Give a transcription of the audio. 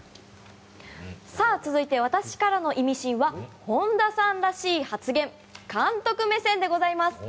続いて、私からのイミシンは本田さんらしい発言監督目線でございます！